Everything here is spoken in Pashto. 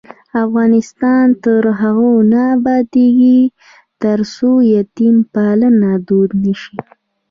افغانستان تر هغو نه ابادیږي، ترڅو یتیم پالنه دود نشي.